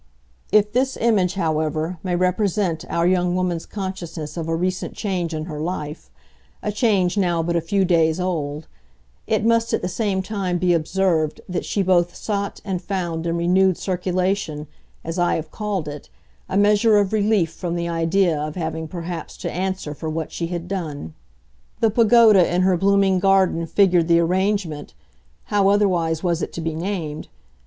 If this image, however, may represent our young woman's consciousness of a recent change in her life a change now but a few days old it must at the same time be observed that she both sought and found in renewed circulation, as I have called it, a measure of relief from the idea of having perhaps to answer for what she had done. The pagoda in her blooming garden figured the arrangement how otherwise was it to be named?